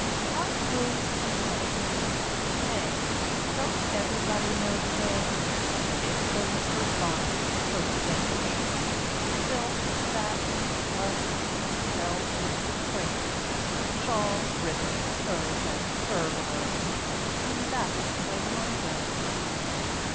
How goes the Money? Nay, Don't everybody know the way? It goes for bonnets, coats and capes, Silks, satins, muslins, velvets, crapes, Shawls, ribbons, furs, and furbelows, And that's the way the Money goes!